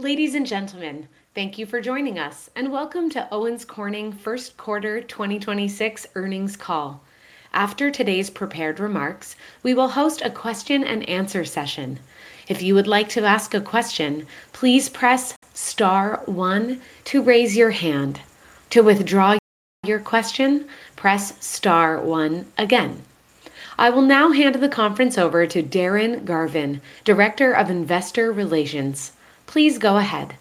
Ladies and gentlemen, thank you for joining us and welcome to Owens Corning first quarter 2026 earnings call. After today's prepared remarks, we will host a question and answer session. I will now hand the conference over to Darren Garvin, Director of Investor Relations. Please go ahead.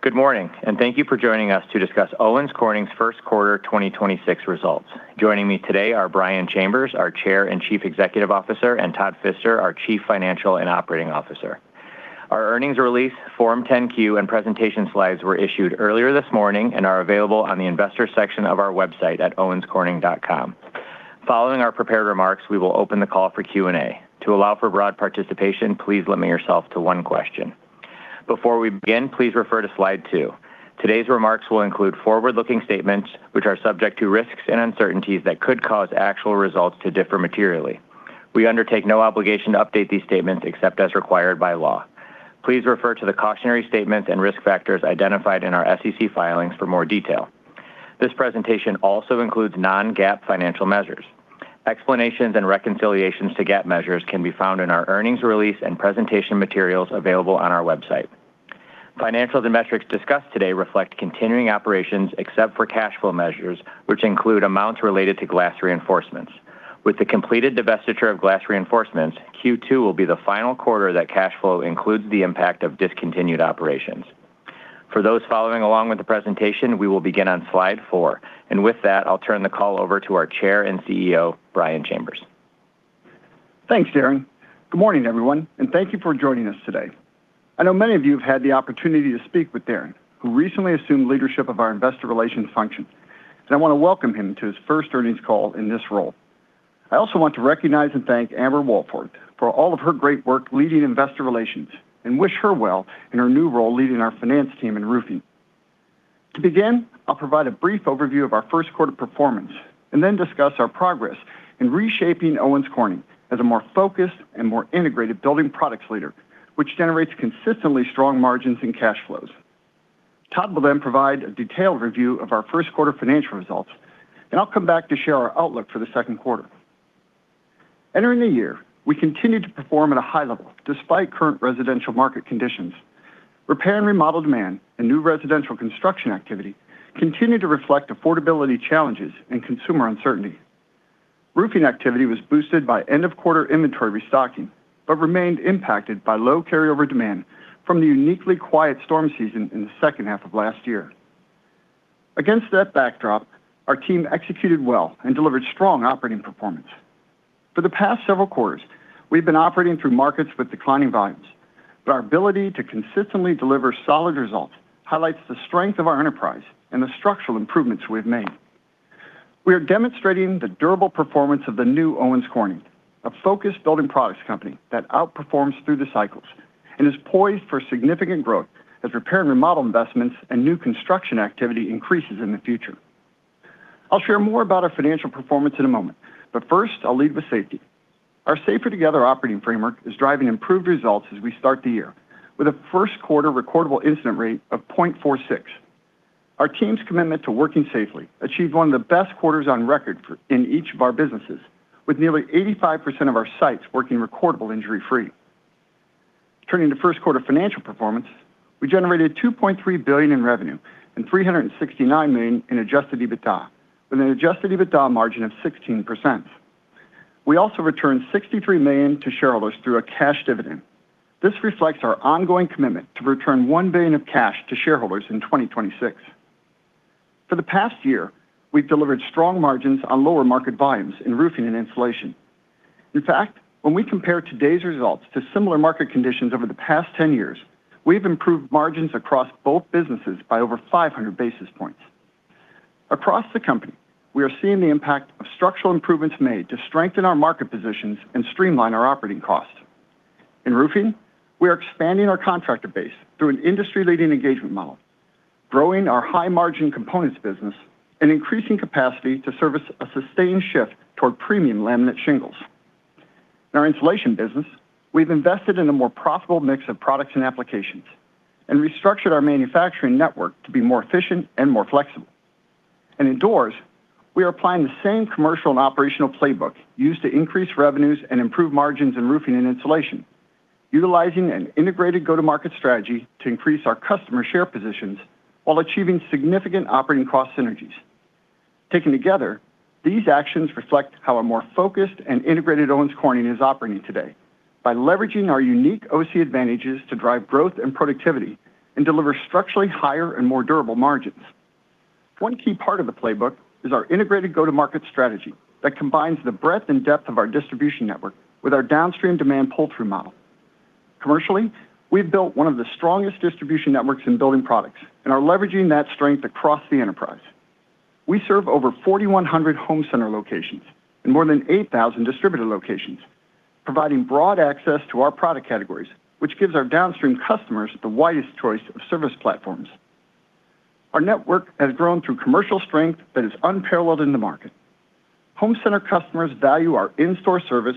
Good morning. Thank you for joining us to discuss Owens Corning's first quarter 2026 results. Joining me today are Brian Chambers, our Chair and Chief Executive Officer, and Todd Fister, our Chief Financial and Operating Officer. Our earnings release, Form 10-Q and presentation slides were issued earlier this morning and are available on the investor section of our website at owenscorning.com. Following our prepared remarks, we will open the call for Q&A. To allow for broad participation, please limit yourself to one question. Before we begin, please refer to slide two. Today's remarks will include forward-looking statements, which are subject to risks and uncertainties that could cause actual results to differ materially. We undertake no obligation to update these statements except as required by law. Please refer to the cautionary statements and risk factors identified in our SEC filings for more detail. This presentation also includes non-GAAP financial measures. Explanations and reconciliations to GAAP measures can be found in our earnings release and presentation materials available on our website. Financials and metrics discussed today reflect continuing operations except for cash flow measures, which include amounts related to Glass Reinforcements. With the completed divestiture of Glass Reinforcements, Q2 will be the final quarter that cash flow includes the impact of discontinued operations. For those following along with the presentation, we will begin on slide four. With that, I'll turn the call over to our Chair and Chief Executive Officer, Brian Chambers. Thanks, Darren. Good morning, everyone, and thank you for joining us today. I know many of you have had the opportunity to speak with Darren, who recently assumed leadership of our investor relations function, and I want to welcome him to his first earnings call in this role. I also want to recognize and thank Amber Wohlfarth for all of her great work leading investor relations and wish her well in her new role leading our finance team in Roofing. To begin, I'll provide a brief overview of our first quarter performance and then discuss our progress in reshaping Owens Corning as a more focused and more integrated building products leader, which generates consistently strong margins and cash flows. Todd will then provide a detailed review of our first quarter financial results, and I'll come back to share our outlook for the second quarter. Entering the year, we continued to perform at a high level despite current residential market conditions. Repair and Remodel demand and new residential construction activity continued to reflect affordability challenges and consumer uncertainty. Roofing activity was boosted by end of quarter inventory restocking, but remained impacted by low carryover demand from the uniquely quiet storm season in the second half of last year. Against that backdrop, our team executed well and delivered strong operating performance. For the past several quarters, we've been operating through markets with declining volumes, but our ability to consistently deliver solid results highlights the strength of our enterprise and the structural improvements we've made. We are demonstrating the durable performance of the new Owens Corning, a focused building products company that outperforms through the cycles and is poised for significant growth as Repair and Remodel investments and new construction activity increases in the future. I'll share more about our financial performance in a moment, but first I'll lead with safety. Our Safer Together operating framework is driving improved results as we start the year with a first quarter recordable incident rate of 0.46. Our team's commitment to working safely achieved one of the best quarters on record in each of our businesses with nearly 85% of our sites working recordable injury-free. Turning to first quarter financial performance, we generated $2.3 billion in revenue and $369 million in adjusted EBITDA with an adjusted EBITDA margin of 16%. We also returned $63 million to shareholders through a cash dividend. This reflects our ongoing commitment to return $1 billion of cash to shareholders in 2026. For the past year, we've delivered strong margins on lower market volumes in Roofing and Insulation. In fact, when we compare today's results to similar market conditions over the past 10 years, we've improved margins across both businesses by over 500 basis points. Across the company, we are seeing the impact of structural improvements made to strengthen our market positions and streamline our operating costs. In Roofing, we are expanding our contractor base through an industry-leading engagement model, growing our high-margin components business and increasing capacity to service a sustained shift toward premium laminate shingles. In our Insulation business, we've invested in a more profitable mix of products and applications and restructured our manufacturing network to be more efficient and more flexible. In Doors, we are applying the same commercial and operational playbook used to increase revenues and improve margins in Roofing and Insulation, utilizing an integrated go-to-market strategy to increase our customer share positions while achieving significant operating cost synergies. Taken together, these actions reflect how a more focused and integrated Owens Corning is operating today by leveraging our unique OC advantages to drive growth and productivity and deliver structurally higher and more durable margins. One key part of the playbook is our integrated go-to-market strategy that combines the breadth and depth of our distribution network with our downstream demand pull-through model. Commercially, we've built one of the strongest distribution networks in building products and are leveraging that strength across the enterprise. We serve over 4,100 home center locations and more than 8,000 distributor locations, providing broad access to our product categories, which gives our downstream customers the widest choice of service platforms. Our network has grown through commercial strength that is unparalleled in the market. Home center customers value our in-store service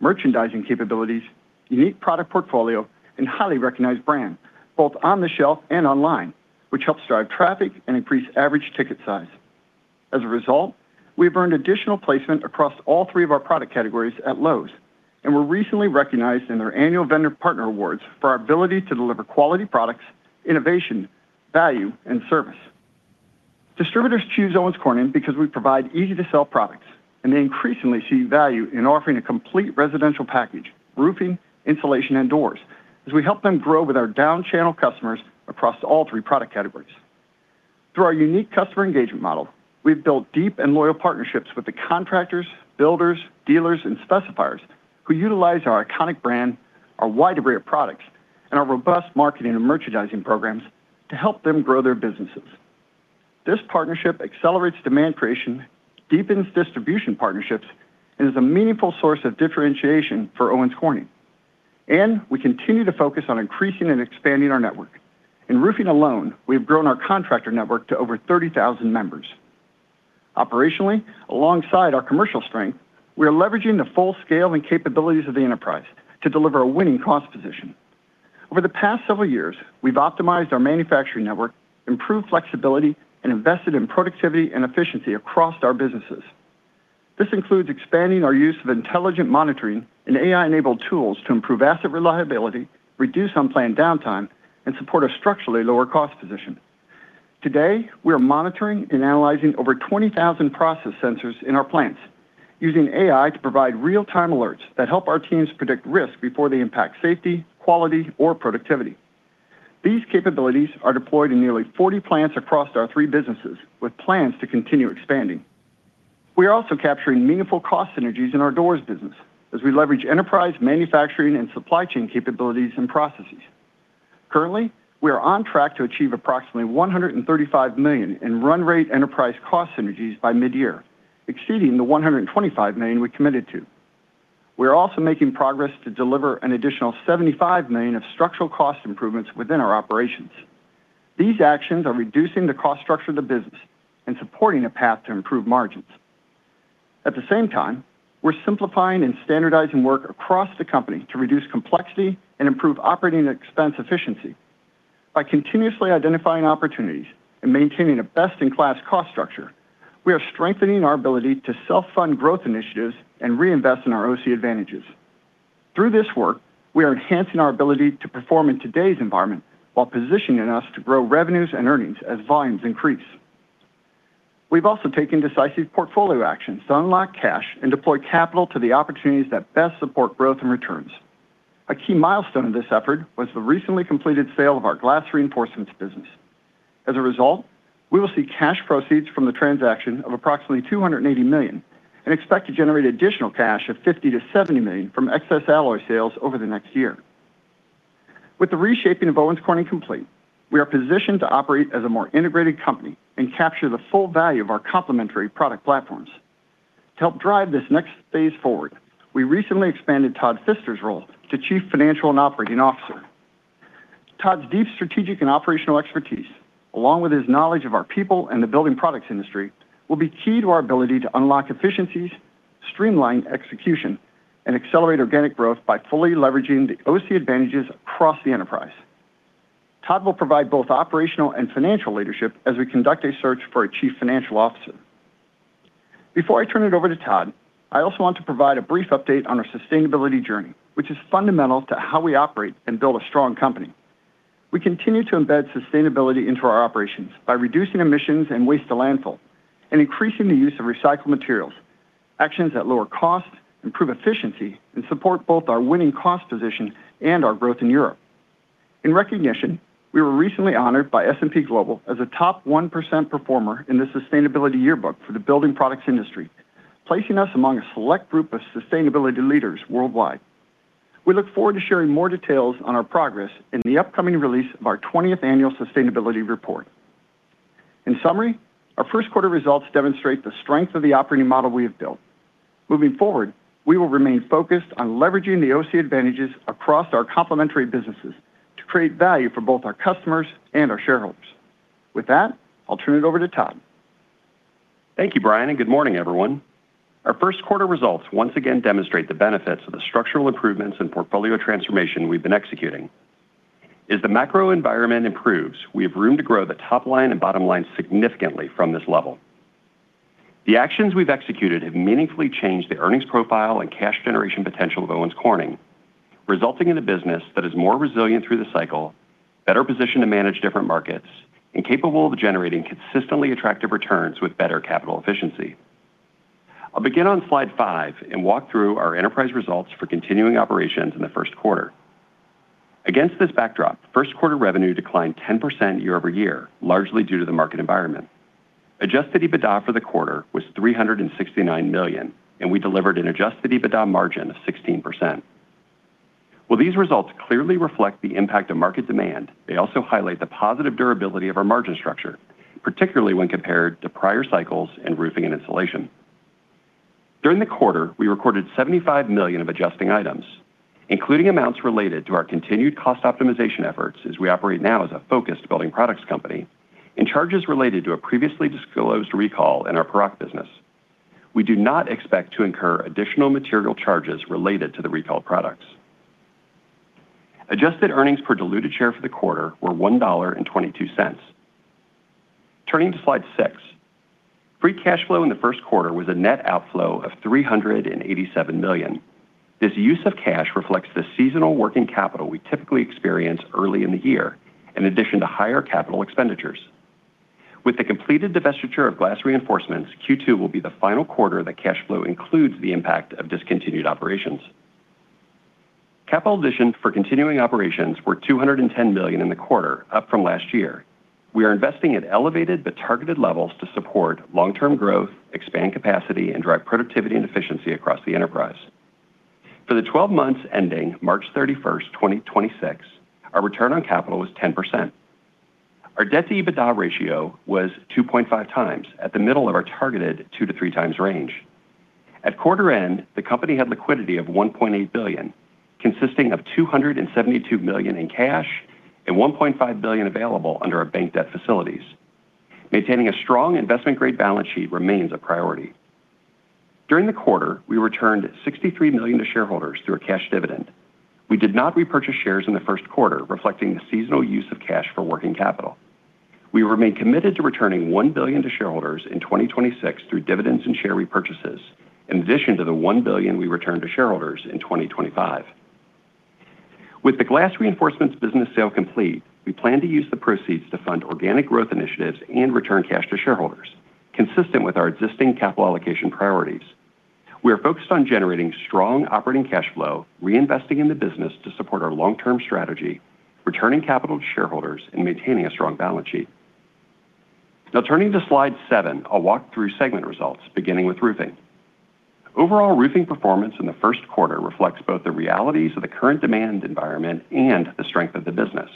merchandising capabilities, unique product portfolio, and highly recognized brand, both on the shelf and online, which helps drive traffic and increase average ticket size. As a result, we've earned additional placement across all three of our product categories at Lowe's and were recently recognized in their annual vendor partner awards for our ability to deliver quality products, innovation, value, and service. Distributors choose Owens Corning because we provide easy-to-sell products, and they increasingly see value in offering a complete residential package, Roofing, Insulation, and Doors, as we help them grow with our down channel customers across all three product categories. Through our unique customer engagement model, we've built deep and loyal partnerships with the contractors, builders, dealers, and specifiers who utilize our iconic brand, our wide array of products, and our robust marketing and merchandising programs to help them grow their businesses. This partnership accelerates demand creation, deepens distribution partnerships, and is a meaningful source of differentiation for Owens Corning. And, we continue to focus on increasing and expanding our network. In Roofing alone, we have grown our contractor network to over 30,000 members. Operationally, alongside our commercial strength, we are leveraging the full scale and capabilities of the enterprise to deliver a winning cost position. Over the past several years, we've optimized our manufacturing network, improved flexibility, and invested in productivity and efficiency across our businesses. This includes expanding our use of intelligent monitoring and AI-enabled tools to improve asset reliability, reduce unplanned downtime, and support a structurally lower cost position. Today, we are monitoring and analyzing over 20,000 process sensors in our plants using AI to provide real-time alerts that help our teams predict risk before they impact safety, quality, or productivity. These capabilities are deployed in nearly 40 plants across our three businesses with plans to continue expanding. We are also capturing meaningful cost synergies in our Doors business as we leverage enterprise manufacturing and supply chain capabilities and processes. Currently, we are on track to achieve approximately $135 million in run-rate enterprise cost synergies by mid-year, exceeding the $125 million we committed to. We are also making progress to deliver an additional $75 million of structural cost improvements within our operations. These actions are reducing the cost structure of the business and supporting a path to improve margins. At the same time, we're simplifying and standardizing work across the company to reduce complexity and improve operating expense efficiency. By continuously identifying opportunities and maintaining a best-in-class cost structure, we are strengthening our ability to self-fund growth initiatives and reinvest in our OC advantages. Through this work, we are enhancing our ability to perform in today's environment while positioning us to grow revenues and earnings as volumes increase. We've also taken decisive portfolio actions to unlock cash and deploy capital to the opportunities that best support growth and returns. A key milestone in this effort was the recently completed sale of our Glass Reinforcements business. As a result, we will see cash proceeds from the transaction of approximately $280 million and expect to generate additional cash of $50 million-$70 million from excess alloy sales over the next year. With the reshaping of Owens Corning complete, we are positioned to operate as a more integrated company and capture the full value of our complementary product platforms. To help drive this next phase forward, we recently expanded Todd Fister's role to Chief Financial and Operating Officer. Todd's deep strategic and operational expertise, along with his knowledge of our people and the building products industry, will be key to our ability to unlock efficiencies, streamline execution, and accelerate organic growth by fully leveraging the OC advantages across the enterprise. Todd will provide both operational and financial leadership as we conduct a search for a chief financial officer. Before I turn it over to Todd, I also want to provide a brief update on our sustainability journey, which is fundamental to how we operate and build a strong company. We continue to embed sustainability into our operations by reducing emissions and waste to landfill and increasing the use of recycled materials, actions that lower cost, improve efficiency, and support both our winning cost position and our growth in Europe. In recognition, we were recently honored by S&P Global as a top 1% performer in the Sustainability Yearbook for the building products industry, placing us among a select group of sustainability leaders worldwide. We look forward to sharing more details on our progress in the upcoming release of our 20th Annual Sustainability Report. In summary, our first quarter results demonstrate the strength of the operating model we have built. Moving forward, we will remain focused on leveraging the OC advantages across our complementary businesses to create value for both our customers and our shareholders. With that, I'll turn it over to Todd. Thank you, Brian, and good morning, everyone. Our first quarter results once again demonstrate the benefits of the structural improvements and portfolio transformation we've been executing. As the macro environment improves, we have room to grow the top line and bottom line significantly from this level. The actions we've executed have meaningfully changed the earnings profile and cash generation potential of Owens Corning, resulting in a business that is more resilient through the cycle, better positioned to manage different markets, and capable of generating consistently attractive returns with better capital efficiency. I'll begin on slide five and walk through our enterprise results for continuing operations in the first quarter. Against this backdrop, first quarter revenue declined 10% year-over-year, largely due to the market environment. Adjusted EBITDA for the quarter was $369 million, and we delivered an adjusted EBITDA margin of 16%. While these results clearly reflect the impact of market demand, they also highlight the positive durability of our margin structure, particularly when compared to prior cycles in Roofing and Insulation. During the quarter, we recorded $75 million of adjusting items, including amounts related to our continued cost optimization efforts as we operate now as a focused building products company and charges related to a previously disclosed recall in our product business. We do not expect to incur additional material charges related to the recalled products. Adjusted earnings per diluted share for the quarter were $1.22. Turning to slide six. Free cash flow in the first quarter was a net outflow of $387 million. This use of cash reflects the seasonal working capital we typically experience early in the year in addition to higher capital expenditures. With the completed divestiture of Glass Reinforcements, Q2 will be the final quarter that cash flow includes the impact of discontinued operations. Capital additions for continuing operations were $210 million in the quarter, up from last year. We are investing at elevated but targeted levels to support long-term growth, expand capacity, and drive productivity and efficiency across the enterprise. For the 12 months ending March 31st, 2026, our return on capital was 10%. Our debt-to-EBITDA ratio was 2.5x, at the middle of our targeted 2x-3x range. At quarter end, the company had liquidity of $1.8 billion, consisting of $272 million in cash and $1.5 billion available under our bank debt facilities. Maintaining a strong investment-grade balance sheet remains a priority. During the quarter, we returned $63 million to shareholders through a cash dividend. We did not repurchase shares in the first quarter, reflecting the seasonal use of cash for working capital. We remain committed to returning $1 billion to shareholders in 2026 through dividends and share repurchases, in addition to the $1 billion we returned to shareholders in 2025. With the Glass Reinforcements business sale complete, we plan to use the proceeds to fund organic growth initiatives and return cash to shareholders, consistent with our existing capital allocation priorities. We are focused on generating strong operating cash flow, reinvesting in the business to support our long-term strategy, returning capital to shareholders, and maintaining a strong balance sheet. Now turning to slide seven, I'll walk through segment results, beginning with Roofing. Overall Roofing performance in the first quarter reflects both the realities of the current demand environment and the strength of the business.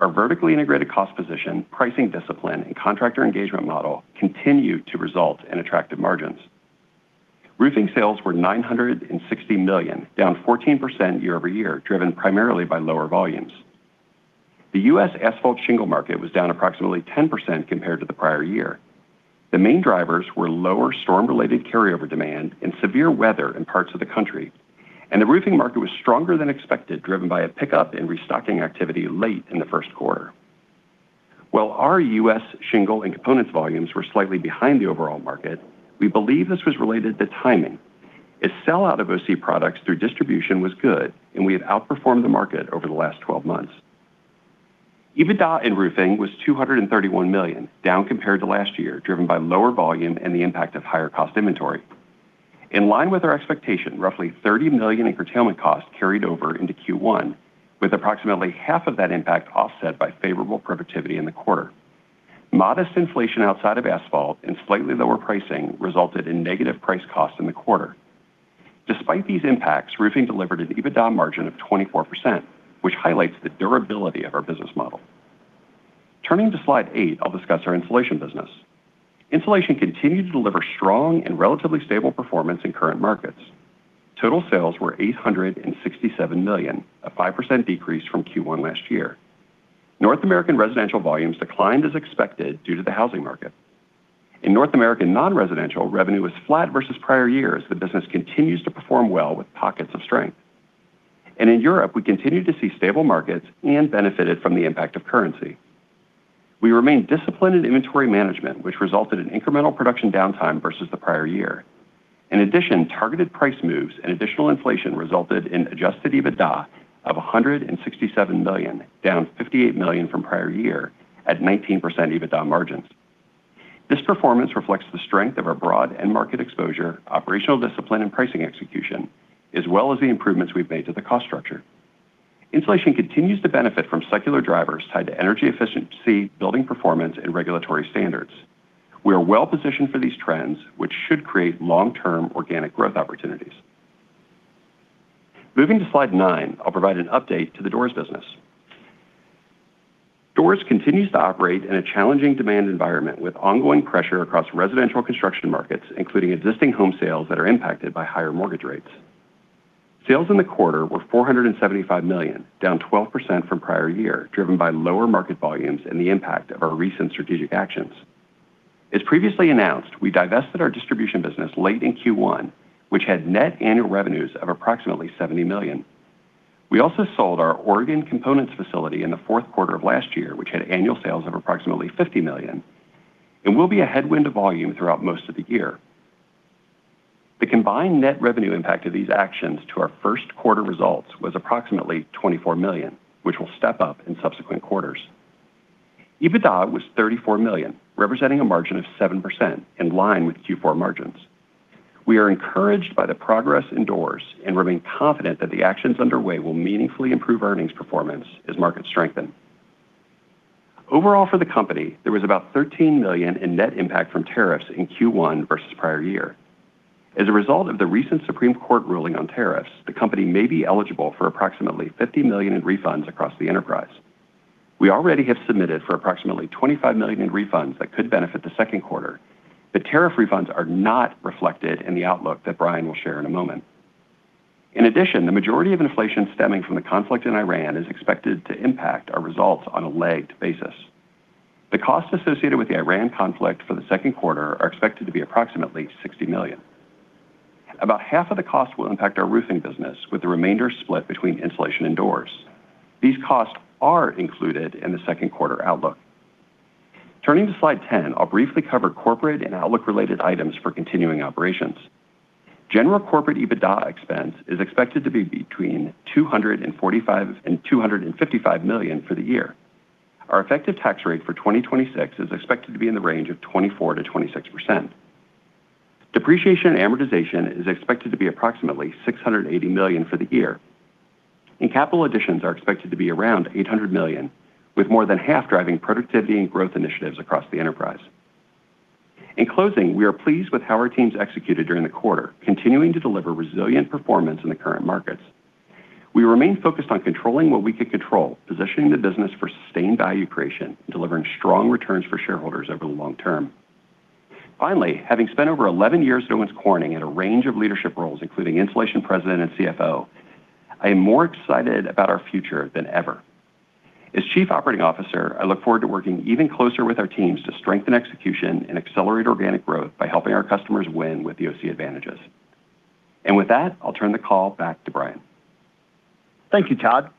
Our vertically integrated cost position, pricing discipline, and contractor engagement model continue to result in attractive margins. Roofing sales were $960 million, down 14% year-over-year, driven primarily by lower volumes. The U.S. asphalt shingle market was down approximately 10% compared to the prior year. The main drivers were lower storm-related carryover demand and severe weather in parts of the country. The roofing market was stronger than expected, driven by a pickup in restocking activity late in the first quarter. While our U.S. shingle and components volumes were slightly behind the overall market, we believe this was related to timing, as sellout of OC products through distribution was good, and we have outperformed the market over the last 12 months. EBITDA in Roofing was $231 million, down compared to last year, driven by lower volume and the impact of higher cost inventory. In line with our expectation, roughly $30 million in curtailment costs carried over into Q1, with approximately half of that impact offset by favorable productivity in the quarter. Modest inflation outside of asphalt and slightly lower pricing resulted in negative price costs in the quarter. Despite these impacts, Roofing delivered an EBITDA margin of 24%, which highlights the durability of our business model. Turning to slide eight, I'll discuss our Insulation business. Insulation continued to deliver strong and relatively stable performance in current markets. Total sales were $867 million, a 5% decrease from Q1 last year. North American residential volumes declined as expected due to the housing market. In North American non-residential, revenue was flat versus prior years. The business continues to perform well with pockets of strength. In Europe, we continued to see stable markets and benefited from the impact of currency. We remained disciplined in inventory management, which resulted in incremental production downtime versus the prior year. In addition, targeted price moves and additional inflation resulted in adjusted EBITDA of $167 million, down $58 million from prior year at 19% EBITDA margins. This performance reflects the strength of our broad end market exposure, operational discipline, and pricing execution, as well as the improvements we've made to the cost structure. Insulation continues to benefit from secular drivers tied to energy efficiency, building performance, and regulatory standards. We are well-positioned for these trends, which should create long-term organic growth opportunities. Moving to slide nine, I'll provide an update to the Doors business. Doors continues to operate in a challenging demand environment with ongoing pressure across residential construction markets, including existing home sales that are impacted by higher mortgage rates. Sales in the quarter were $475 million, down 12% from prior year, driven by lower market volumes and the impact of our recent strategic actions. As previously announced, we divested our distribution business late in Q1, which had net annual revenues of approximately $70 million. We also sold our Oregon components facility in the fourth quarter of last year, which had annual sales of approximately $50 million and will be a headwind to volume throughout most of the year. The combined net revenue impact of these actions to our first quarter results was approximately $24 million, which will step up in subsequent quarters. EBITDA was $34 million, representing a margin of 7%, in line with Q4 margins. We are encouraged by the progress in Doors and remain confident that the actions underway will meaningfully improve earnings performance as markets strengthen. Overall, for the company, there was about $13 million in net impact from tariffs in Q1 versus prior year. As a result of the recent Supreme Court ruling on tariffs, the company may be eligible for approximately $50 million in refunds across the enterprise. We already have submitted for approximately $25 million in refunds that could benefit the second quarter. The tariff refunds are not reflected in the outlook that Brian will share in a moment. In addition, the majority of inflation stemming from the conflict in Iran is expected to impact our results on a lagged basis. The costs associated with the Iran conflict for the second quarter are expected to be approximately $60 million. About half of the cost will impact our Roofing business, with the remainder split between Insulation and Doors. These costs are included in the second quarter outlook. Turning to slide 10, I'll briefly cover corporate and outlook-related items for continuing operations. General corporate EBITDA expense is expected to be between $245 million and $255 million for the year. Our effective tax rate for 2026 is expected to be in the range of 24%-26%. Depreciation and amortization is expected to be approximately $680 million for the year, and capital additions are expected to be around $800 million, with more than half driving productivity and growth initiatives across the enterprise. In closing, we are pleased with how our teams executed during the quarter, continuing to deliver resilient performance in the current markets. We remain focused on controlling what we can control, positioning the business for sustained value creation, and delivering strong returns for shareholders over the long term. Finally, having spent over 11 years at Owens Corning at a range of leadership roles, including Insulation President and CFO, I am more excited about our future than ever. As Chief Operating Officer, I look forward to working even closer with our teams to strengthen execution and accelerate organic growth by helping our customers win with the OC advantages. And with that, I'll turn the call back to Brian. Thank you, Todd.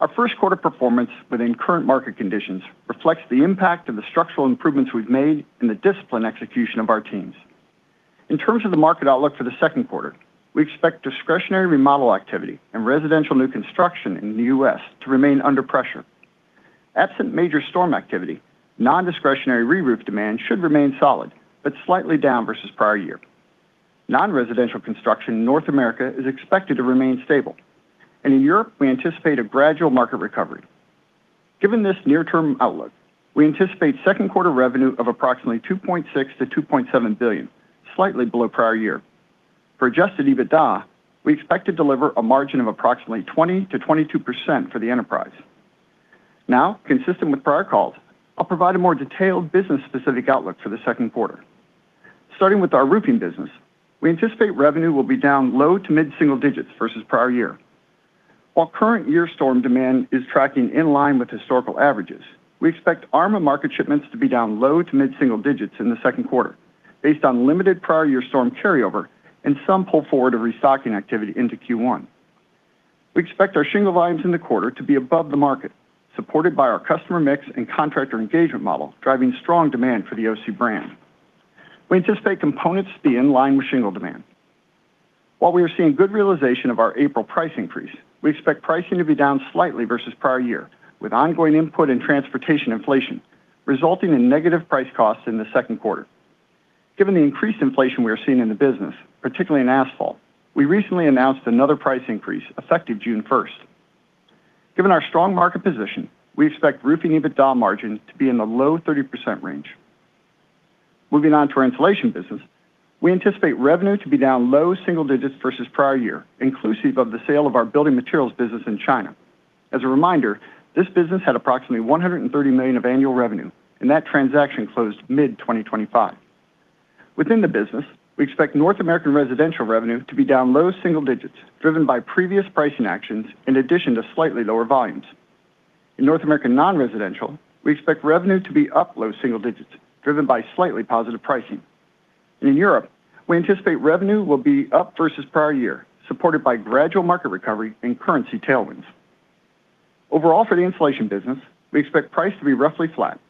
Our first quarter performance within current market conditions reflects the impact of the structural improvements we've made and the disciplined execution of our teams. In terms of the market outlook for the second quarter, we expect discretionary remodel activity and residential new construction in the U.S. to remain under pressure. Absent major storm activity, non-discretionary reroof demand should remain solid but slightly down versus prior year. Non-residential construction in North America is expected to remain stable. In Europe, we anticipate a gradual market recovery. Given this near-term outlook, we anticipate second quarter revenue of approximately $2.6 billion-$2.7 billion, slightly below prior year. For adjusted EBITDA, we expect to deliver a margin of approximately 20%-22% for the enterprise. Now, consistent with prior calls, I'll provide a more detailed business-specific outlook for the second quarter. Starting with our Roofing business, we anticipate revenue will be down low to mid single-digits versus prior year. While current year storm demand is tracking in line with historical averages, we expect ARMA market shipments to be down low to mid single-digits in the second quarter based on limited prior year storm carryover and some pull forward of restocking activity into Q1. We expect our shingle volumes in the quarter to be above the market, supported by our customer mix and contractor engagement model, driving strong demand for the OC brand. We anticipate components to be in line with shingle demand. While we are seeing good realization of our April price increase, we expect pricing to be down slightly versus prior year, with ongoing input in transportation inflation, resulting in negative price costs in the second quarter. Given the increased inflation we are seeing in the business, particularly in asphalt, we recently announced another price increase effective June 1st. Given our strong market position, we expect Roofing EBITDA margins to be in the low 30% range. Moving on to our Insulation business, we anticipate revenue to be down low single-digits versus prior year, inclusive of the sale of our building materials business in China. As a reminder, this business had approximately $130 million of annual revenue, and that transaction closed mid-2025. Within the business, we expect North American residential revenue to be down low single-digits, driven by previous pricing actions in addition to slightly lower volumes. In North American non-residential, we expect revenue to be up low single-digits, driven by slightly positive pricing. In Europe, we anticipate revenue will be up versus prior year, supported by gradual market recovery and currency tailwinds. Overall, for the Insulation business, we expect price to be roughly flat.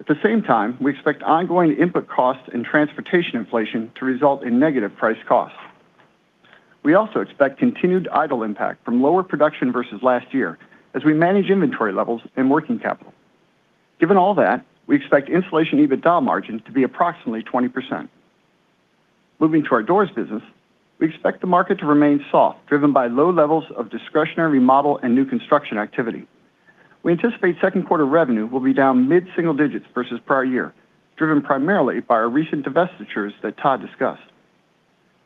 At the same time, we expect ongoing input costs and transportation inflation to result in negative price costs. We also expect continued idle impact from lower production versus last year as we manage inventory levels and working capital. Given all that, we expect Insulation EBITDA margins to be approximately 20%. Moving to our Doors business, we expect the market to remain soft, driven by low levels of discretionary remodel and new construction activity. We anticipate second quarter revenue will be down mid single-digits versus prior year, driven primarily by our recent divestitures that Todd discussed.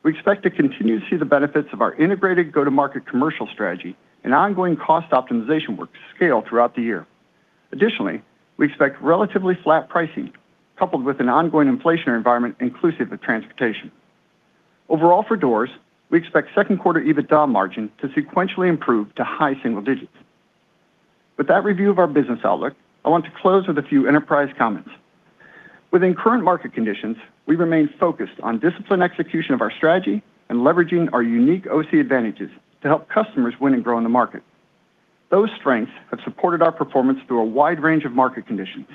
We expect to continue to see the benefits of our integrated go-to-market commercial strategy and ongoing cost optimization work scale throughout the year. Additionally, we expect relatively flat pricing coupled with an ongoing inflationary environment inclusive of transportation. Overall, for doors, we expect second quarter EBITDA margin to sequentially improve to high single-digits. With that review of our business outlook, I want to close with a few enterprise comments. Within current market conditions, we remain focused on discipline execution of our strategy and leveraging our unique OC advantages to help customers win and grow in the market. Those strengths have supported our performance through a wide range of market conditions,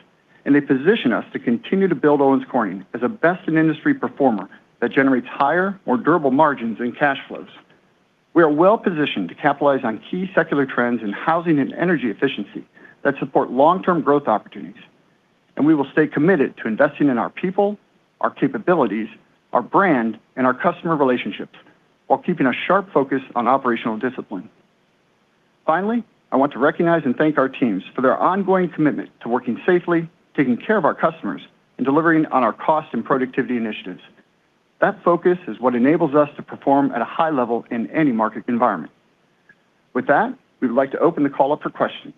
and they position us to continue to build Owens Corning as a best-in-industry performer that generates higher, more durable margins and cash flows. We are well-positioned to capitalize on key secular trends in housing and energy efficiency that support long-term growth opportunities, we will stay committed to investing in our people, our capabilities, our brand, and our customer relationships while keeping a sharp focus on operational discipline. Finally, I want to recognize and thank our teams for their ongoing commitment to working safely, taking care of our customers, and delivering on our cost and productivity initiatives. That focus is what enables us to perform at a high level in any market environment. With that, we would like to open the call up for questions.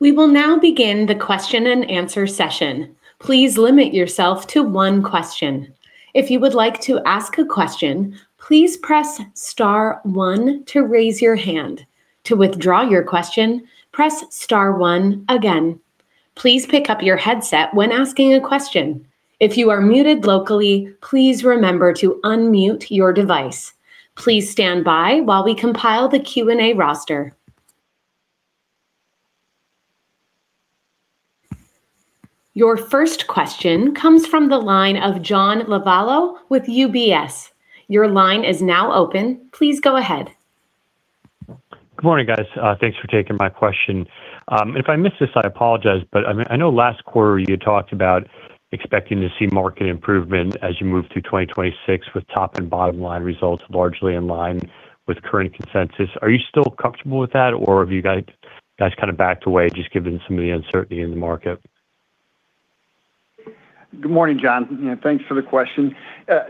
We will now begin the question-and-answer session. Please limit yourself to one question. If you would like to ask a question, please press star one to raise your hand. To withdraw your question, press star one again. Please pick up your headset when asking a question. If you are muted locally, please remember to unmute your device. Please stand by while we compile the Q&A roster. Your first question comes from the line of John Lovallo with UBS. Your line is now open. Please go ahead. Good morning, guys. Thanks for taking my question. If I missed this, I apologize, but I know last quarter you had talked about expecting to see market improvement as you move through 2026 with top and bottom line results largely in line with current consensus. Are you still comfortable with that, or have you guys kinda backed away just given some of the uncertainty in the market? Good morning, John, and thanks for the question.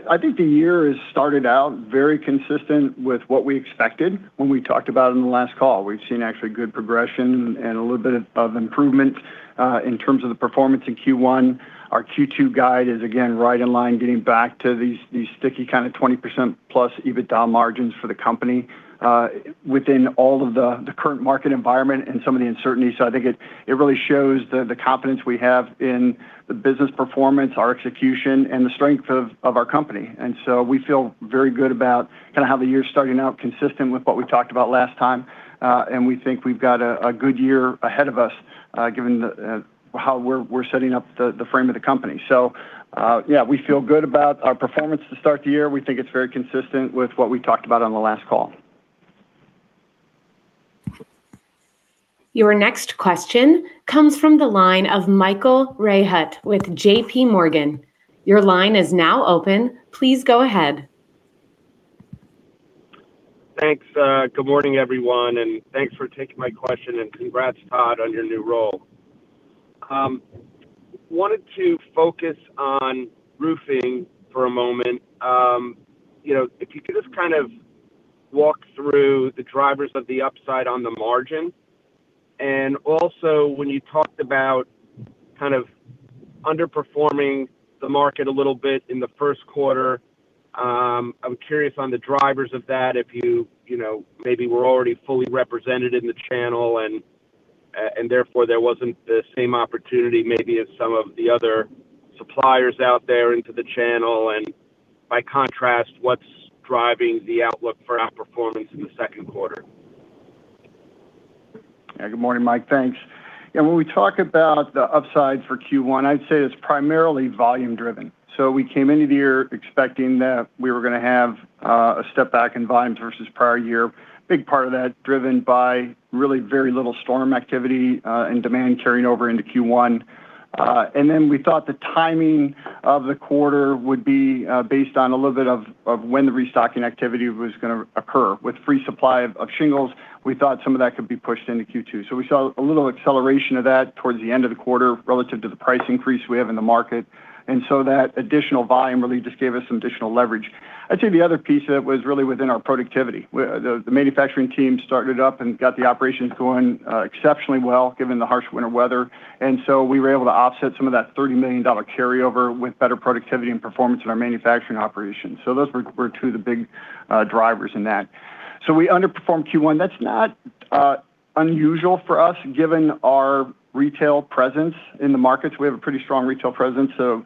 I think the year has started out very consistent with what we expected when we talked about it in the last call. We've seen actually good progression and a little bit of improvement in terms of the performance in Q1. Our Q2 guide is, again, right in line getting back to these sticky kinda 20%+ EBITDA margins for the company within all of the current market environment and some of the uncertainty. I think it really shows the confidence we have in the business performance, our execution, and the strength of our company. We feel very good about kinda how the year's starting out, consistent with what we talked about last time. We think we've got a good year ahead of us, given the how we're setting up the frame of the company. Yeah, we feel good about our performance to start the year. We think it's very consistent with what we talked about on the last call. Your next question comes from the line of Michael Rehaut with JPMorgan. Your line is now open. Please go ahead. Thanks. Good morning, everyone, and thanks for taking my question. Congrats, Todd, on your new role. Wanted to focus on Roofing for a moment. You know, if you could just kind of walk through the drivers of the upside on the margin. Also, when you talked about kind of underperforming the market a little bit in the first quarter, I'm curious on the drivers of that, if you know, maybe were already fully represented in the channel and therefore there wasn't the same opportunity maybe as some of the other suppliers out there into the channel. By contrast, what's driving the outlook for outperformance in the second quarter? Good morning, Mike. Thanks. When we talk about the upside for Q1, I'd say it's primarily volume driven. We came into the year expecting that we were going to have a step back in volumes versus prior year. Big part of that driven by really very little storm activity and demand carrying over into Q1. We thought the timing of the quarter would be based on a little bit of when the restocking activity was going to occur. With free supply of shingles, we thought some of that could be pushed into Q2. We saw a little acceleration of that towards the end of the quarter relative to the price increase we have in the market. That additional volume really just gave us some additional leverage. I'd say the other piece of it was really within our productivity. The manufacturing team started up and got the operations going exceptionally well, given the harsh winter weather. We were able to offset some of that $30 million carryover with better productivity and performance in our manufacturing operations. Those were two of the big drivers in that. We underperformed Q1. That's not unusual for us, given our retail presence in the markets. We have a pretty strong retail presence, so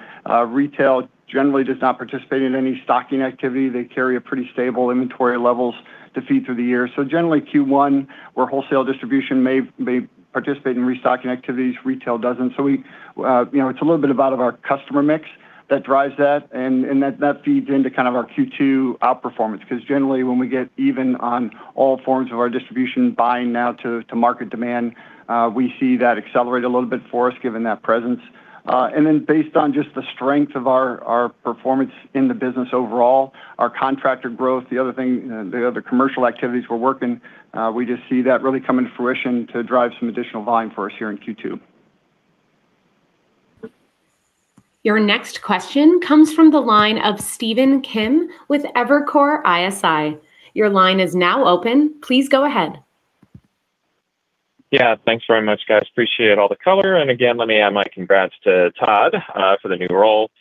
retail generally does not participate in any stocking activity. They carry a pretty stable inventory levels to feed through the year. Generally Q1, where wholesale distribution may participate in restocking activities, retail doesn't. We, you know, it's a little bit about of our customer mix that drives that and that feeds into kind of our Q2 outperformance. Generally, when we get even on all forms of our distribution buying now to market demand, we see that accelerate a little bit for us, given that presence. Based on just the strength of our performance in the business overall, our contractor growth, the other thing, the other commercial activities we're working, we just see that really come into fruition to drive some additional volume for us here in Q2. Your next question comes from the line of Stephen Kim with Evercore ISI. Your line is now open. Please go ahead. Yeah. Thanks very much, guys. Appreciate all the color. Again, let me add my congrats to Todd for the new role.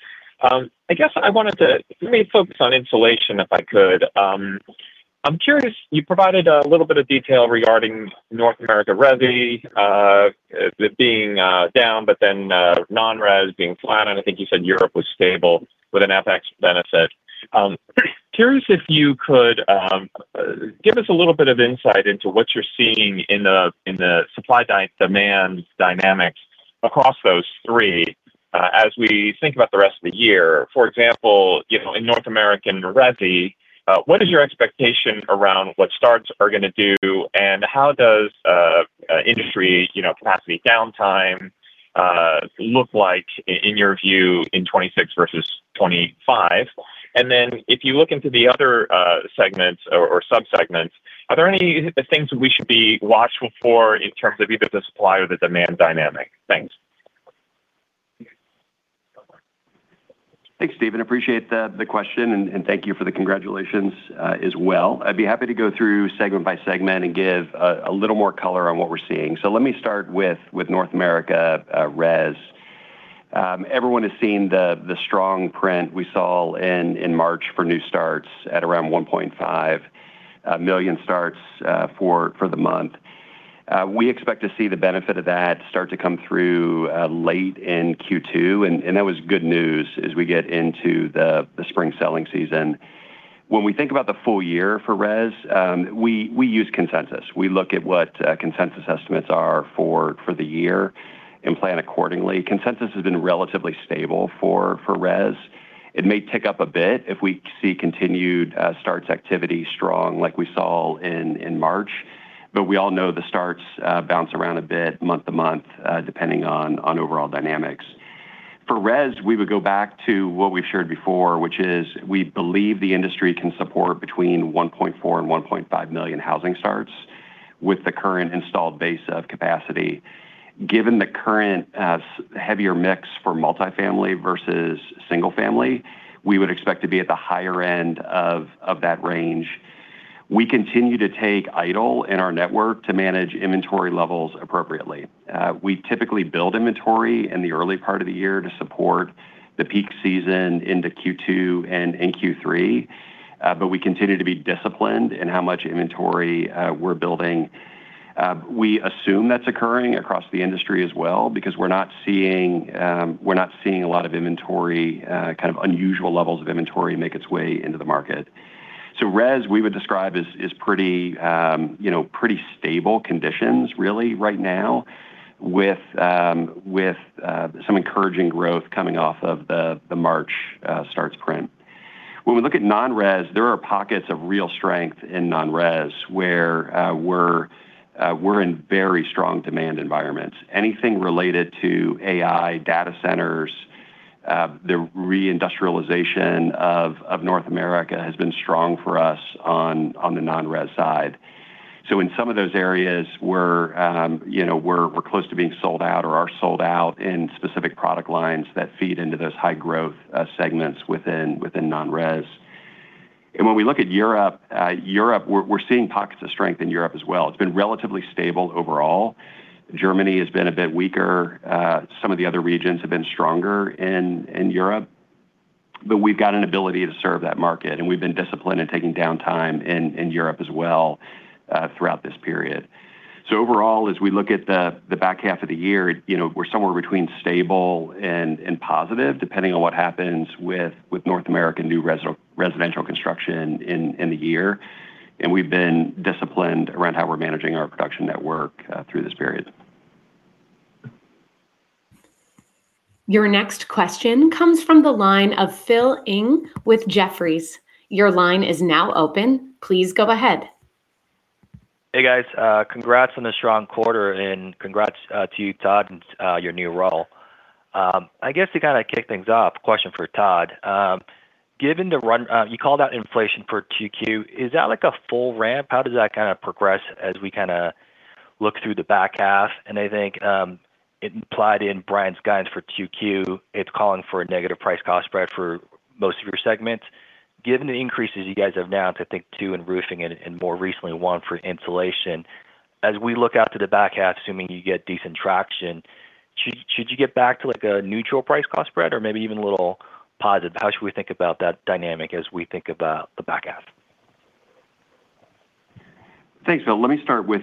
I guess I wanted to maybe focus on insulation, if I could. I'm curious, you provided a little bit of detail regarding North America Resi being down, but then Non-Res being flat. I think you said Europe was stable with an FX benefit. Curious if you could give us a little bit of insight into what you're seeing in the supply demand dynamics across those three as we think about the rest of the year. For example, you know, in North American Resi, what is your expectation around what starts are gonna do? How does industry, you know, capacity downtime look like in your view in 2026 versus 2025? And then, if you look into the other segments or sub-segments, are there any things that we should be watchful for in terms of either the supply or the demand dynamic? Thanks. Thanks, Stephen. Appreciate the question, and thank you for the congratulations as well. I'd be happy to go through segment by segment and give a little more color on what we're seeing. Let me start with North America Res. Everyone has seen the strong print we saw in March for new starts at around 1.5 million starts for the month. We expect to see the benefit of that start to come through late in Q2, and that was good news as we get into the spring selling season. When we think about the full year for Res, we use consensus. We look at what consensus estimates are for the year and plan accordingly. Consensus has been relatively stable for Res. It may tick up a bit if we see continued starts activity strong like we saw in March. We all know the starts bounce around a bit month to month depending on overall dynamics. For Res, we would go back to what we've shared before, which is we believe the industry can support between 1.4 and 1.5 million housing starts with the current installed base of capacity. Given the current heavier mix for multifamily versus single family, we would expect to be at the higher end of that range. We continue to take idle in our network to manage inventory levels appropriately. We typically build inventory in the early part of the year to support the peak season into Q2 and in Q3, we continue to be disciplined in how much inventory we're building. We assume that's occurring across the industry as well because we're not seeing a lot of inventory, kind of unusual levels of inventory make its way into the market. Res, we would describe as pretty, you know, pretty stable conditions really right now with some encouraging growth coming off of the March starts print. When we look at Non-Res, there are pockets of real strength in Non-Res where we're in very strong demand environments. Anything related to AI data centers, the reindustrialization of North America has been strong for us on the Non-Res side. In some of those areas we're, you know, we're close to being sold out or are sold out in specific product lines that feed into those high growth segments within Non-Res. When we look at Europe we're seeing pockets of strength in Europe as well. It's been relatively stable overall. Germany has been a bit weaker. Some of the other regions have been stronger in Europe, but we've got an ability to serve that market, and we've been disciplined in taking downtime in Europe as well, throughout this period. Overall, as we look at the back half of the year, you know, we're somewhere between stable and positive depending on what happens with North American new residential construction in the year. We've been disciplined around how we're managing our production network through this period. Your next question comes from the line of Philip Ng with Jefferies. Your line is now open. Please go ahead. Hey, guys. Congrats on the strong quarter and congrats to you, Todd, on your new role. I guess to kinda kick things off, question for Todd. Given the run, you called out inflation for 2Q. Is that like a full ramp? How does that kinda progress as we kinda look through the back half? I think it implied in Brian's guidance for 2Q, it's calling for a negative price cost spread for most of your segments. Given the increases you guys have now to think too in Roofing and, more recently one for Insulation, as we look out to the back half assuming you get decent traction, should you get back to like a neutral price cost spread or maybe even a little positive? How should we think about that dynamic as we think about the back half? Thanks, Phil. Let me start with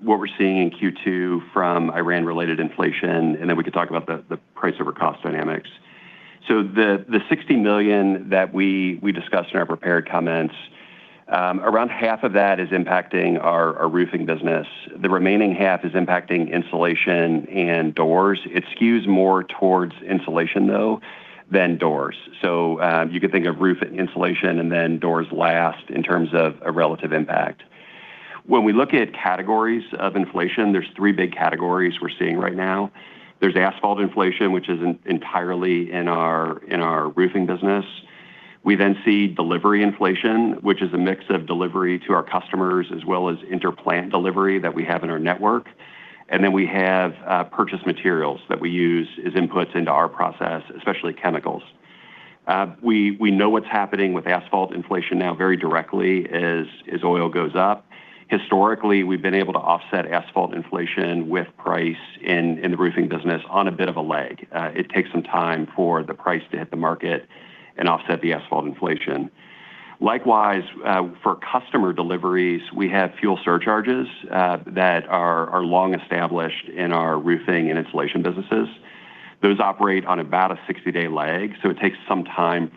what we're seeing in Q2 from Iran-related inflation, and then we can talk about the price over cost dynamics. The $60 million that we discussed in our prepared comments, around half of that is impacting our Roofing business. The remaining half is impacting Insulation and Doors. It skews more towards Insulation though than Doors. You could think of Roofing and Insulation and then Doors last in terms of a relative impact. When we look at categories of inflation, there's three big categories we're seeing right now. There's asphalt inflation, which is entirely in our Roofing business. We see delivery inflation, which is a mix of delivery to our customers as well as inter plant delivery that we have in our network. We have purchase materials that we use as inputs into our process, especially chemicals. We know what's happening with asphalt inflation now very directly as oil goes up. Historically, we've been able to offset asphalt inflation with price in the Roofing business on a bit of a lag. It takes some time for the price to hit the market and offset the asphalt inflation. Likewise, for customer deliveries, we have fuel surcharges that are long established in our Roofing and Insulation businesses. Those operate on about a 60-day lag, so it takes some time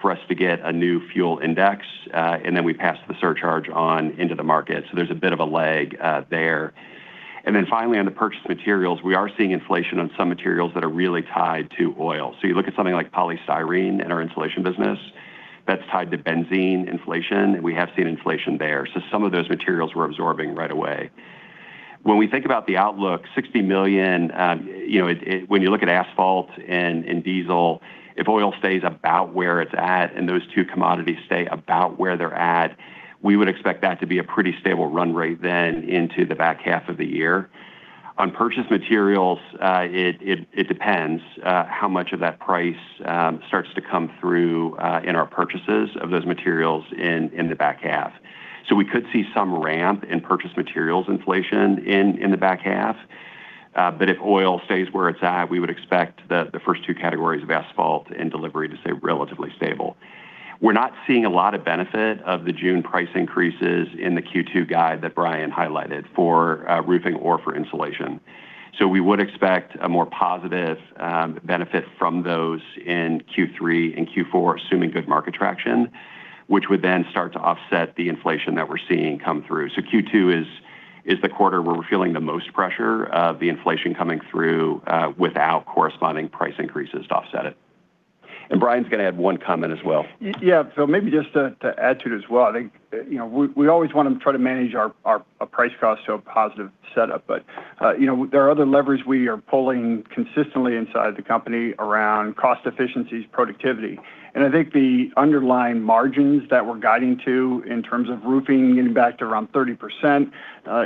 for us to get a new fuel index, and then we pass the surcharge on into the market, so there's a bit of a lag there. Finally on the purchase materials, we are seeing inflation on some materials that are really tied to oil. You look at something like polystyrene in our Insulation business, that's tied to benzene inflation, and we have seen inflation there. Some of those materials we're absorbing right away. When we think about the outlook, $60 million, you know, when you look at asphalt and diesel, if oil stays about where it's at and those two commodities stay about where they're at, we would expect that to be a pretty stable run rate then into the back half of the year. On purchased materials, it depends how much of that price starts to come through in our purchases of those materials in the back half. So, we could see some ramp in purchased materials inflation in the back half. If oil stays where it's at, we would expect the first two categories of asphalt and delivery to stay relatively stable. We're not seeing a lot of benefit of the June price increases in the Q2 guide that Brian highlighted for Roofing or for Insulation. We would expect a more positive benefit from those in Q3 and Q4, assuming good market traction, which would then start to offset the inflation that we're seeing come through. So, Q2 is the quarter where we're feeling the most pressure of the inflation coming through without corresponding price increases to offset it. Brian's gonna add one comment as well. Yeah. Maybe just to add to it as well. I think, you know, we always want to try to manage our price cost to a positive setup. You know, there are other levers we are pulling consistently inside the company around cost efficiencies, productivity. I think the underlying margins that we're guiding to in terms of Roofing getting back to around 30%,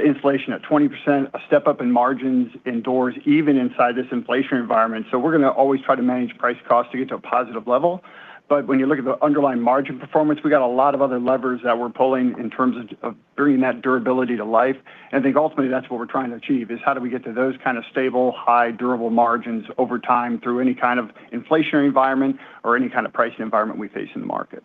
inflation at 20%, a step up in margins in Doors even inside this inflation environment. We're going to always try to manage price cost to get to a positive level. When you look at the underlying margin performance, we got a lot of other levers that we're pulling in terms of bringing that durability to life. I think ultimately that's what we're trying to achieve, is how do we get to those kind of stable, high durable margins over time through any kind of inflationary environment or any kind of pricing environment we face in the market.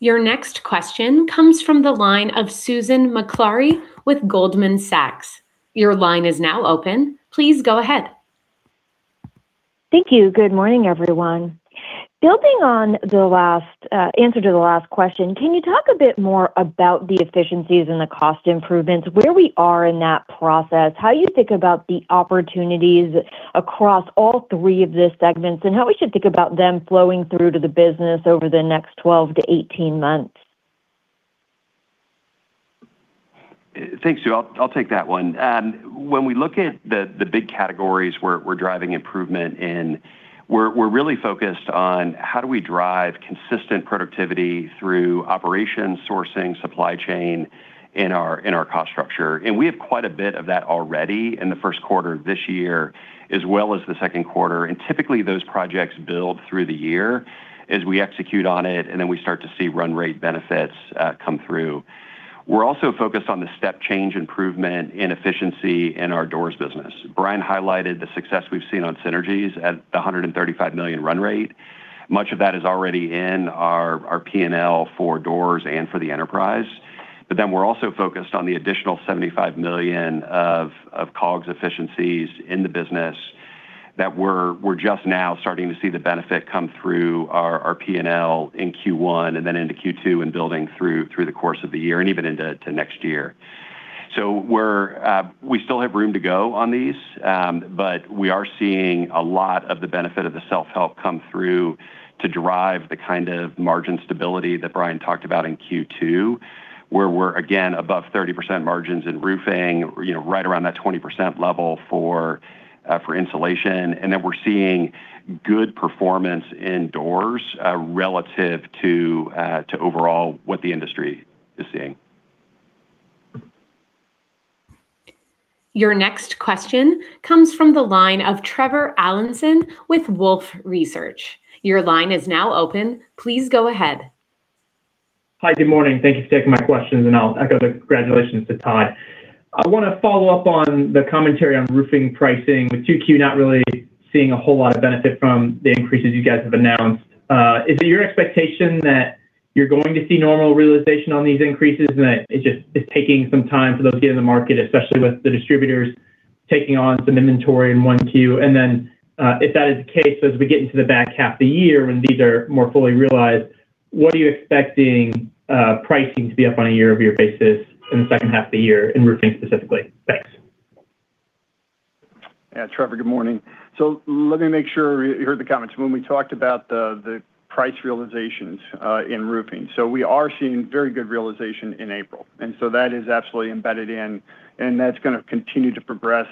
Your next question comes from the line of Susan Maklari with Goldman Sachs. Your line is now open. Please go ahead. Thank you. Good morning, everyone. Building on the last answer to the last question, can you talk a bit more about the efficiencies and the cost improvements, where we are in that process, how you think about the opportunities across all three of the segments, and how we should think about them flowing through to the business over the next 12 to 18 months? Thanks, Sue. I'll take that one. When we look at the big categories we're driving improvement in, we're really focused on how do we drive consistent productivity through operations, sourcing, supply chain in our cost structure. We have quite a bit of that already in the first quarter of this year as well as the second quarter. Typically, those projects build through the year as we execute on it, then we start to see run rate benefits come through. We're also focused on the step change improvement in efficiency in our Doors business. Brian highlighted the success we've seen on synergies at the $135 million run rate. Much of that is already in our P&L for Doors and for the enterprise. We're also focused on the additional $75 million of COGS efficiencies in the business that we're just now starting to see the benefit come through our P&L in Q1 and then into Q2 and building through the course of the year and even into next year. We still have room to go on these, but we are seeing a lot of the benefit of the self-help come through to drive the kind of margin stability that Brian talked about in Q2, where we're again above 30% margins in Roofing, you know, right around that 20% level for Insulation. We're seeing good performance in Doors, relative to overall what the industry is seeing. Your next question comes from the line of Trevor Allinson with Wolfe Research. Your line is now open. Please go ahead. Hi. Good morning. Thank you for taking my questions, and I'll echo the congratulations to Todd. I wanna follow up on the commentary on Roofing pricing with 2Q not really seeing a whole lot of benefit from the increases you guys have announced. Is it your expectation that you're going to see normal realization on these increases and that it just is taking some time for those to get in the market, especially with the distributors taking on some inventory in 1Q? If that is the case, as we get into the back half of the year when these are more fully realized, what are you expecting pricing to be up on a year-over-year basis in the second half of the year in Roofing specifically? Thanks. Yeah, Trevor, good morning. Let me make sure you heard the comments. When we talked about the price realizations in Roofing, we are seeing very good realization in April, that is absolutely embedded in, and that's gonna continue to progress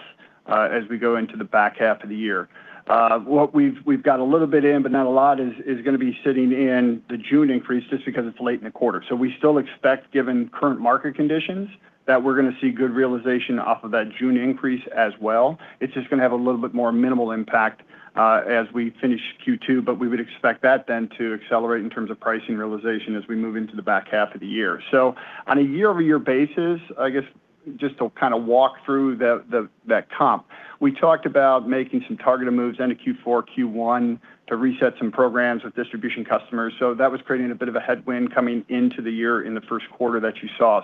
as we go into the back half of the year. What we've got a little bit in but not a lot is gonna be sitting in the June increase just because it's late in the quarter. We still expect, given current market conditions, that we're gonna see good realization off of that June increase as well. It's just gonna have a little bit more minimal impact as we finish Q2. We would expect that then to accelerate in terms of pricing realization as we move into the back half of the year. On a year-over-year basis, I guess just to kinda walk through that comp, we talked about making some targeted moves into Q4, Q1 to reset some programs with distribution customers, so that was creating a bit of a headwind coming into the year in the first quarter that you saw.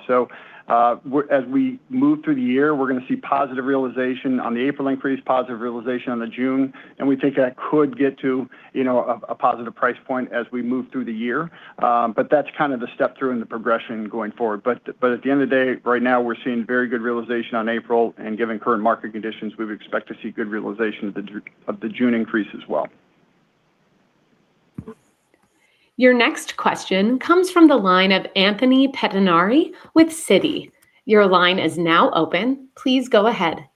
As we move through the year, we're gonna see positive realization on the April increase, positive realization on the June, and we think that could get to, you know, a positive price point as we move through the year. That's kind of the step through and the progression going forward. At the end of the day, right now we're seeing very good realization on April, and given current market conditions, we would expect to see good realization of the June increase as well. Your next question comes from the line of Anthony Pettinari with Citi. Your line is now open. Please go ahead.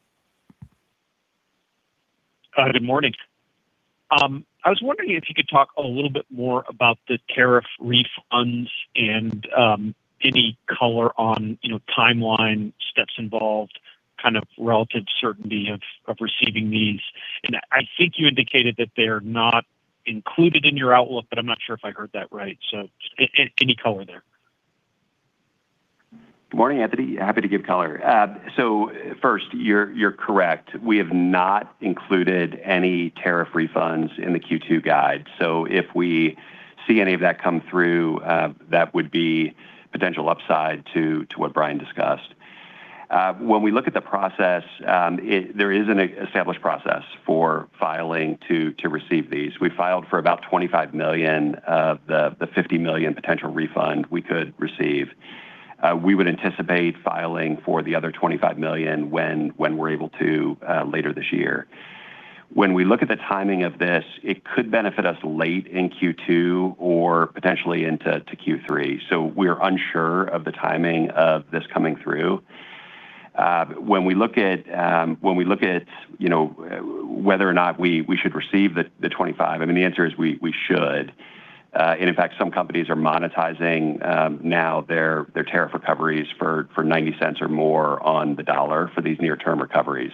Good morning. I was wondering if you could talk a little bit more about the tariff refunds and any color on, you know, timeline, steps involved, kind of relative certainty of receiving these. I think you indicated that they are not included in your outlook, but I'm not sure if I heard that right. So, any color there? Good morning, Anthony. Happy to give color. First, you're correct. We have not included any tariff refunds in the Q2 guide. If we see any of that come through, that would be potential upside to what Brian discussed. When we look at the process, there is an established process for filing to receive these. We filed for about $25 million of the $50 million potential refund we could receive. We would anticipate filing for the other $25 million when we're able to later this year. When we look at the timing of this, it could benefit us late in Q2 or potentially to Q3. We're unsure of the timing of this coming through. When we look at, you know, whether or not we should receive the $25 million, I mean, the answer is we should. In fact, some companies are monetizing now their tariff recoveries for $0.90 or more on the dollar for these near-term recoveries.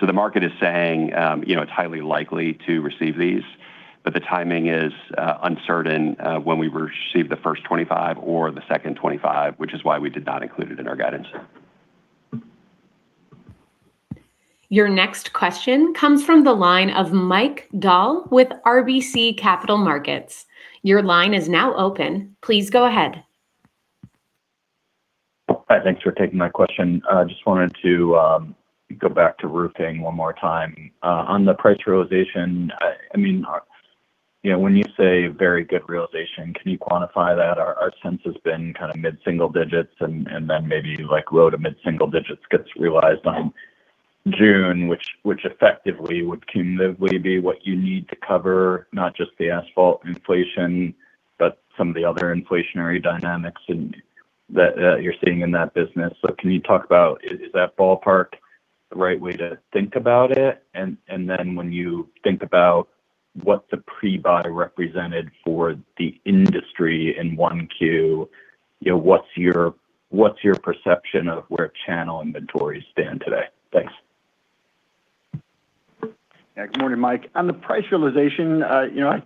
The market is saying, you know, it's highly likely to receive these, but the timing is uncertain when we receive the first $25 million or the second $25 million, which is why we did not include it in our guidance. Your next question comes from the line of Mike Dahl with RBC Capital Markets. Your line is now open. Please go ahead. Hi. Thanks for taking my question. I just wanted to go back to Roofing one more time. On the price realization, I mean, you know, when you say very good realization, can you quantify that? Our sense has been kind of mid single-digits and then maybe like low to mid single-digits gets realized on June, which effectively would cumulatively be what you need to cover, not just the asphalt inflation, but some of the other inflationary dynamics and that you're seeing in that business. Can you talk about is that ballpark the right way to think about it? When you think about what the pre-buy represented for the industry in 1Q, you know, what's your perception of where channel inventories stand today? Thanks. Good morning, Mike. On the price realization, you know,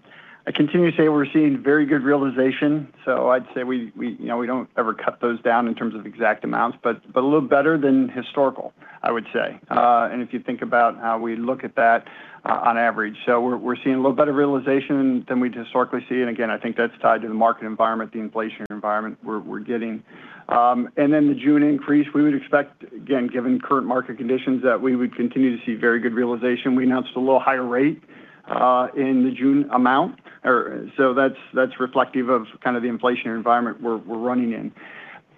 I continue to say we're seeing very good realization. I'd say we, you know, we don't ever cut those down in terms of exact amounts, but a little better than historical, I would say, and if you think about how we look at that on average. We're seeing a little better realization than we historically see. Again, I think that's tied to the market environment, the inflationary environment we're getting. The June increase, we would expect, again, given current market conditions, that we would continue to see very good realization. We announced a little higher rate in the June amount. That's reflective of kind of the inflationary environment we're running in.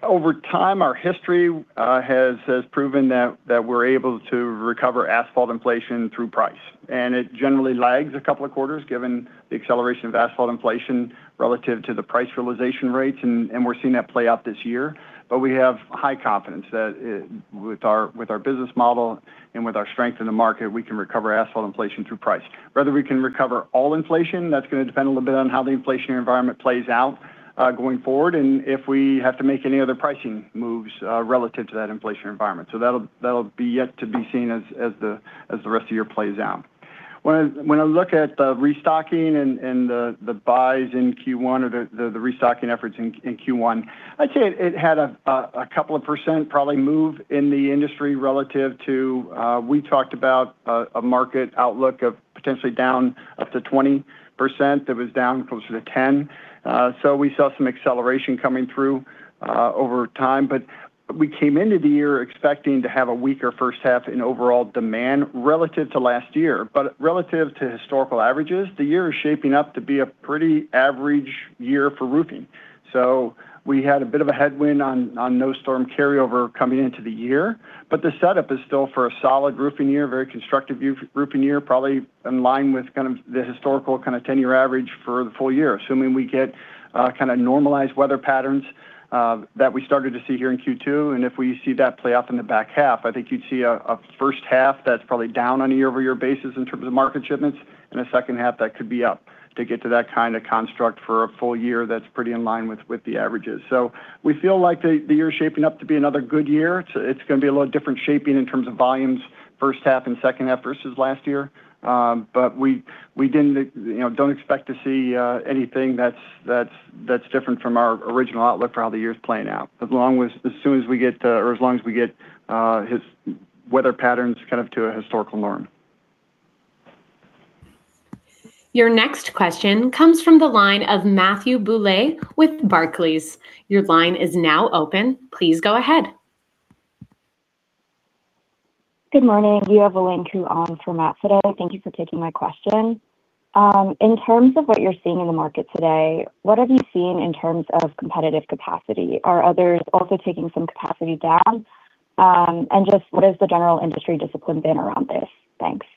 Over time, our history has proven that we're able to recover asphalt inflation through price. It generally lags a couple of quarters given the acceleration of asphalt inflation relative to the price realization rates, and we're seeing that play out this year. We have high confidence that with our business model and with our strength in the market, we can recover asphalt inflation through price. Whether we can recover all inflation, that's gonna depend a little bit on how the inflationary environment plays out going forward and if we have to make any other pricing moves relative to that inflationary environment. That'll be yet to be seen as the rest of the year plays out. When I look at the restocking and the buys in Q1 or the restocking efforts in Q1, I'd say it had a couple of percent probably move in the industry relative to we talked about a market outlook of potentially down up to 20%. It was down closer to 10%. We saw some acceleration coming through over time. We came into the year expecting to have a weaker first half in overall demand relative to last year. Relative to historical averages, the year is shaping up to be a pretty average year for Roofing. We had a bit of a headwind on no storm carryover coming into the year. The setup is still for a solid Roofing year, very constructive Roofing year, probably in line with kind of the historical kind of 10-year average for the full year, assuming we get kind of normalized weather patterns that we started to see here in Q2. If we see that play out in the back half, I think you'd see a first half that's probably down on a year-over-year basis in terms of market shipments and a second half that could be up to get to that kind of construct for a full year that's pretty in line with the averages. We feel like the year's shaping up to be another good year. It's going to be a little different shaping in terms of volumes first half and second half versus last year. We didn't, you know, don't expect to see anything that's different from our original outlook for how the year's playing out as long as, as soon as we get or as long as we get weather patterns kind of to a historical norm. Your next question comes from the line of Matthew Bouley with Barclays. Your line is now open. Please go ahead. Good morning. We have Elaine Ku on for Matt today. Thank you for taking my question. In terms of what you're seeing in the market today, what have you seen in terms of competitive capacity? Are others also taking some capacity down? Just what has the general industry discipline been around this? Thanks.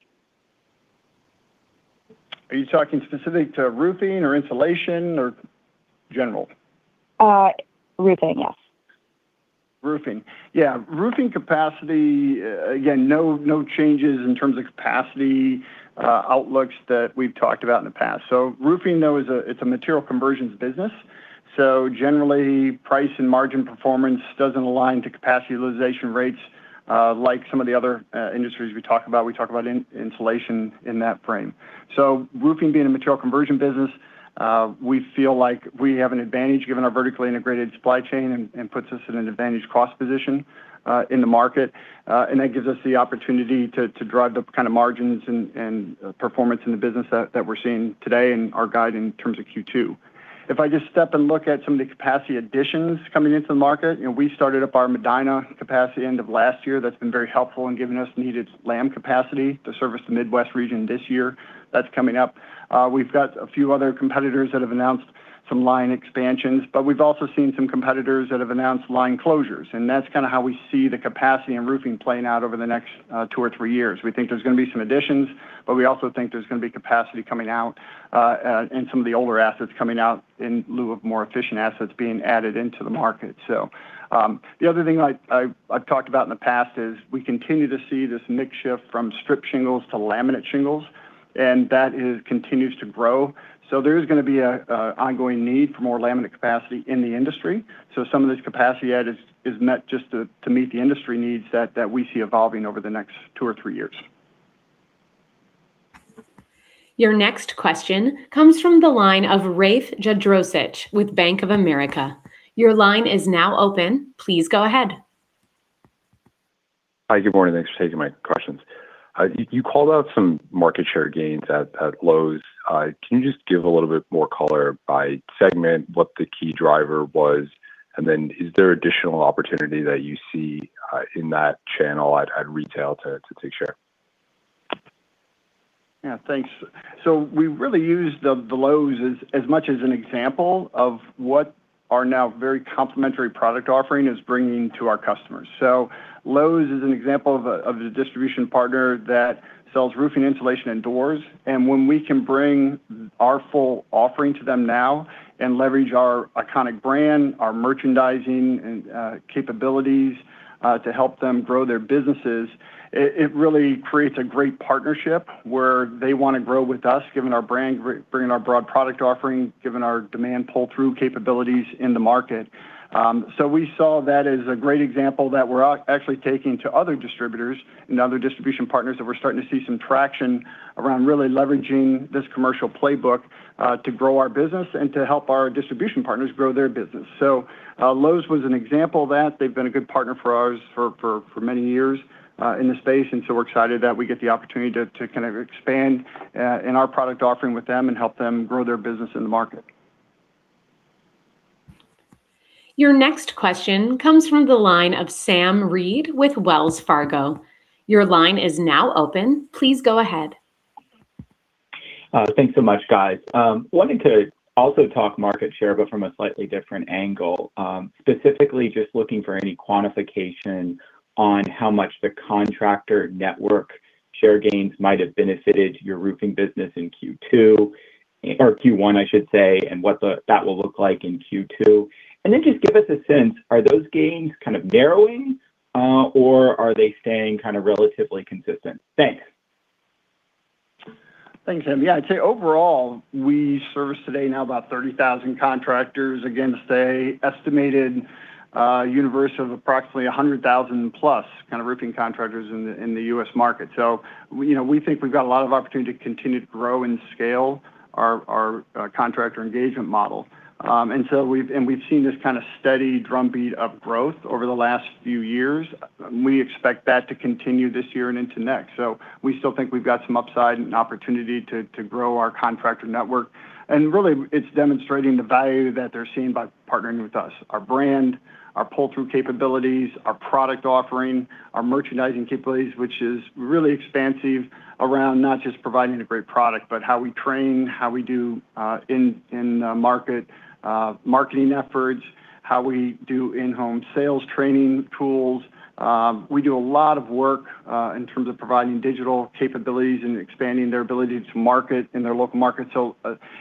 Are you talking specific to Roofing or Insulation or general? Roofing, yes. Roofing. Yeah, Roofing capacity, again, no changes in terms of capacity outlooks that we've talked about in the past. Roofing though is a, it's a material conversions business, generally price and margin performance doesn't align to capacity utilization rates like some of the other industries we talk about. We talk about Insulation in that frame. Roofing being a material conversion business, we feel like we have an advantage given our vertically integrated supply chain and puts us in an advantage cost position in the market. That gives us the opportunity to drive the kind of margins and performance in the business that we're seeing today and our guide in terms of Q2. If I just step and look at some of the capacity additions coming into the market, you know, we started up our Medina capacity end of last year. That's been very helpful in giving us needed lam capacity to service the Midwest region this year. That's coming up. We've got a few other competitors that have announced some line expansions, but we've also seen some competitors that have announced line closures, and that's kinda how we see the capacity and Roofing playing out over the next two or three years. We think there's gonna be some additions, but we also think there's gonna be capacity coming out and some of the older assets coming out in lieu of more efficient assets being added into the market. The other thing I've talked about in the past is we continue to see this mix shift from strip shingles to laminate shingles, and that is, continues to grow. So, there is gonna be a ongoing need for more laminate capacity in the industry, so some of this capacity add is met just to meet the industry needs that we see evolving over the next two or three years. Your next question comes from the line of Rafe Jadrosich with Bank of America. Your line is now open. Please go ahead. Hi. Good morning. Thanks for taking my questions. You called out some market share gains at Lowe's. Can you just give a little bit more color by segment, what the key driver was? Is there additional opportunity that you see in that channel at retail to take share? Yeah, thanks. We really use the Lowe's as much as an example of what our now very complimentary product offering is bringing to our customers. Lowe's is an example of the distribution partner that sells roofing, insulation and doors. When we can bring our full offering to them now and leverage our iconic brand, our merchandising and capabilities to help them grow their businesses, it really creates a great partnership where they wanna grow with us given our brand, bringing our broad product offering, given our demand pull-through capabilities in the market. We saw that as a great example that we're actually taking to other distributors and other distribution partners that we're starting to see some traction around really leveraging this commercial playbook to grow our business and to help our distribution partners grow their business. Lowe's was an example of that. They've been a good partner for ours for many years in the space, and so we're excited that we get the opportunity to kind of expand in our product offering with them and help them grow their business in the market. Your next question comes from the line of Sam Reid with Wells Fargo. Your line is now open. Please go ahead. Thanks so much, guys. Wanted to also talk market share but from a slightly different angle. Specifically just looking for any quantification on how much the contractor network share gains might have benefited your Roofing business in Q2, or Q1, I should say, and what the, that will look like in Q2. Just give us a sense, are those gains kind of narrowing, or are they staying kind of relatively consistent? Thanks. Thanks, Sam. Yeah. I'd say overall, we service today now about 30,000 contractors against an estimated universe of approximately 100,000+ kind of roofing contractors in the U.S. market. We, you know, we think we've got a lot of opportunity to continue to grow and scale our contractor engagement model. We've seen this kind of steady drumbeat of growth over the last few years. We expect that to continue this year and into next. We still think we've got some upside and opportunity to grow our contractor network. Really it's demonstrating the value that they're seeing by partnering with us, our brand, our pull-through capabilities, our product offering, our merchandising capabilities, which is really expansive around not just providing a great product, but how we train, how we do in market marketing efforts, how we do in-home sales training tools. We do a lot of work in terms of providing digital capabilities and expanding their ability to market in their local market.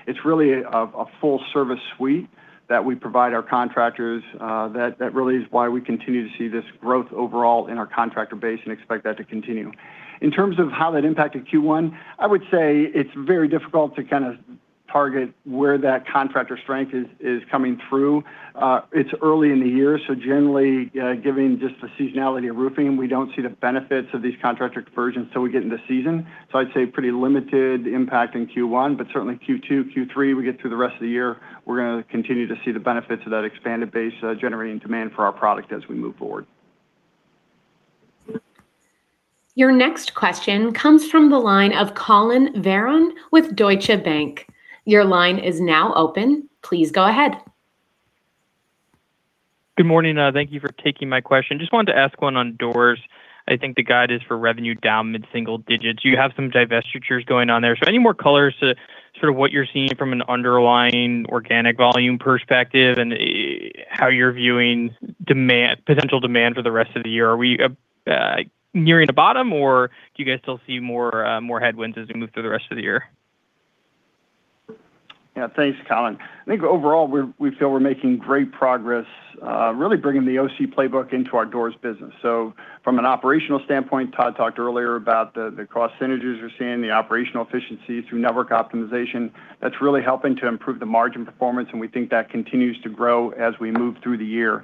It's really a full service suite that we provide our contractors. That really is why we continue to see this growth overall in our contractor base and expect that to continue. In terms of how that impacted Q1, I would say it's very difficult to kind of target where that contractor strength is coming through. It's early in the year, so generally, given just the seasonality of roofing, we don't see the benefits of these contractor conversions till we get into season. I'd say pretty limited impact in Q1, but certainly in Q2, Q3, we get through the rest of the year, we're gonna continue to see the benefits of that expanded base, generating demand for our product as we move forward. Your next question comes from the line of Collin Verron with Deutsche Bank. Your line is now open. Please go ahead. Good morning. Thank you for taking my question. Just wanted to ask one on Doors. I think the guide is for revenue down mid single-digits. You have some divestitures going on there. Any more colors to sort of what you're seeing from an underlying organic volume perspective and how you're viewing demand, potential demand for the rest of the year? Are we nearing the bottom, or do you guys still see more headwinds as we move through the rest of the year? Yeah, thanks, Collin. I think overall, we feel we're making great progress, really bringing the OC playbook into our Doors business. From an operational standpoint, Todd talked earlier about the cost synergies we're seeing, the operational efficiencies through network optimization. That's really helping to improve the margin performance, and we think that continues to grow as we move through the year.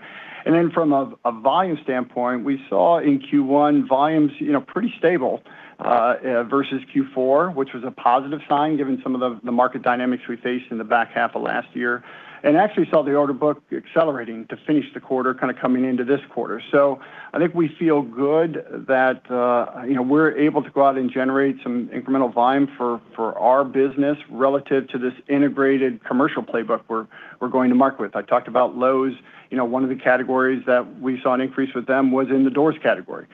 From a volume standpoint, we saw in Q1, volumes, you know, pretty stable versus Q4, which was a positive sign given some of the market dynamics we faced in the back half of last year. Actually saw the order book accelerating to finish the quarter, kinda coming into this quarter. I think we feel good that, you know, we're able to go out and generate some incremental volume for our business relative to this integrated commercial playbook we're going to market with. I talked about Lowe's. You know, one of the categories that we saw an increase with them was in the Doors category.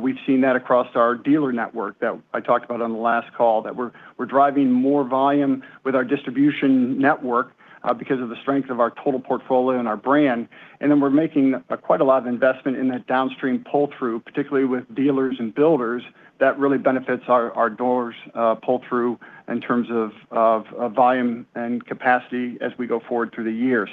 We've seen that across our dealer network that I talked about on the last call, that we're driving more volume with our distribution network because of the strength of our total portfolio and our brand, and then we're making quite a lot of investment in that downstream pull-through, particularly with dealers and builders that really benefits our Doors pull-through in terms of volume and capacity as we go forward through the year.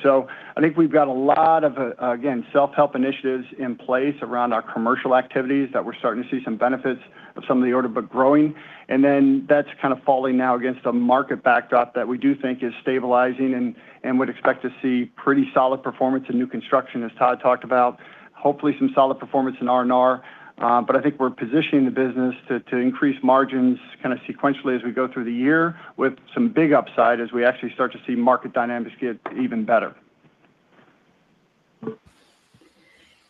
I think we've got a lot of, again, self-help initiatives in place around our commercial activities that we're starting to see some benefits of some of the order book growing. That's kind of falling now against a market backdrop that we do think is stabilizing and would expect to see pretty solid performance in new construction as Todd talked about, hopefully some solid performance in R&R. I think we're positioning the business to increase margins kind of sequentially as we go through the year with some big upside as we actually start to see market dynamics get even better.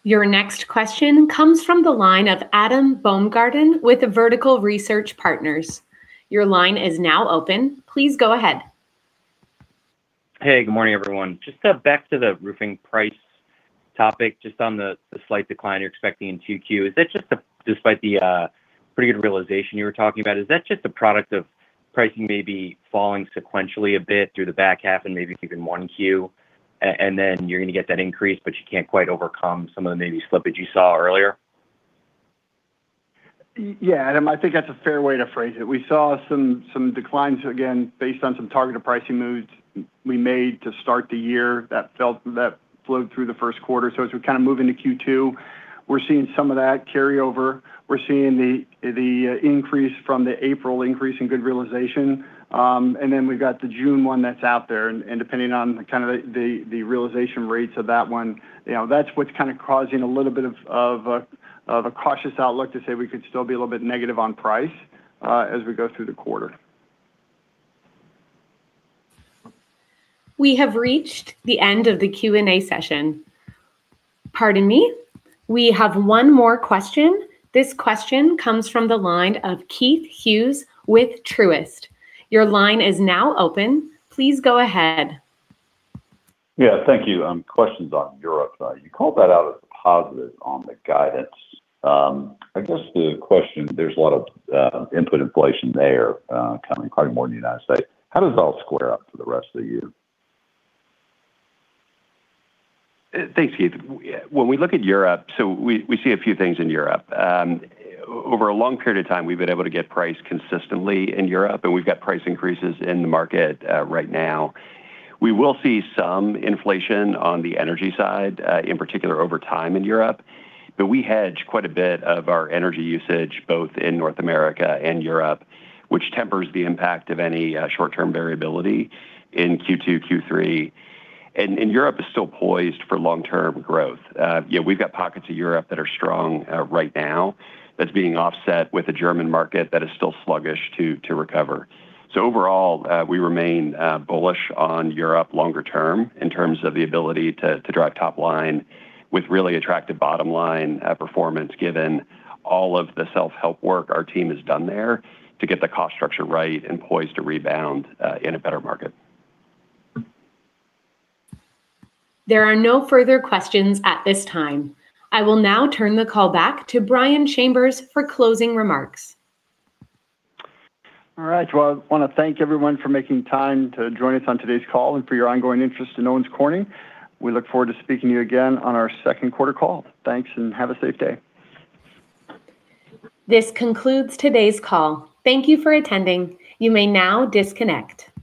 Your next question comes from the line of Adam Baumgarten with Vertical Research Partners. Your line is now open. Please go ahead. Hey, good morning, everyone. Just back to the Roofing price topic, just on the slight decline you're expecting in 2Q. Is that just despite the pretty good realization you were talking about, is that just a product of pricing maybe falling sequentially a bit through the back half and maybe even 1Q, and then you're gonna get that increase, but you can't quite overcome some of the maybe slippage you saw earlier? Yeah, Adam, I think that's a fair way to phrase it. We saw some declines again, based on some targeted pricing moves we made to start the year that flowed through the first quarter. As we kind of move into Q2, we're seeing some of that carry over. We're seeing the increase from the April increase in good realization. We've got the June one that's out there, and depending on the kind of the realization rates of that one, you know, that's what's kind of causing a little bit of a cautious outlook to say we could still be a little bit negative on price as we go through the quarter. We have reached the end of the Q&A session. Pardon me. We have one more question. This question comes from the line of Keith Hughes with Truist. Your line is now open. Please go ahead. Yeah, thank you. Question's on Europe. You called that out as a positive on the guidance. I guess the question, there's a lot of input inflation there, coming, probably more than United States. How does that square up for the rest of the year? Thanks, Keith. When we look at Europe, so we see a few things in Europe. Over a long period of time, we've been able to get price consistently in Europe, and we've got price increases in the market right now. We will see some inflation on the energy side, in particular over time in Europe. We hedge quite a bit of our energy usage both in North America and Europe, which tempers the impact of any short-term variability in Q2, Q3. Europe is still poised for long-term growth. Yeah, we've got pockets of Europe that are strong right now that's being offset with the German market that is still sluggish to recover. Overall, we remain, bullish on Europe longer term in terms of the ability to drive top line with really attractive bottom line, performance given all of the self-help work our team has done there to get the cost structure right and poised to rebound, in a better market. There are no further questions at this time. I will now turn the call back to Brian Chambers for closing remarks. All right. Well, I wanna thank everyone for making time to join us on today's call and for your ongoing interest in Owens Corning. We look forward to speaking to you again on our second quarter call. Thanks and have a safe day. This concludes today's call. Thank you for attending. You may now disconnect.